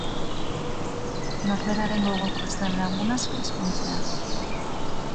Norberaren gogoko ez den lagunaz ezkontzea